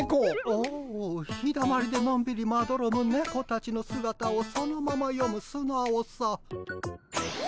お日だまりでのんびりまどろむねこたちのすがたをそのままよむすなおさ。